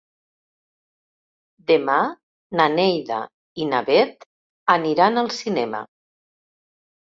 Demà na Neida i na Bet aniran al cinema.